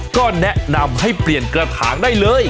ก็แนะนำให้เปลี่ยนกระถางได้เลย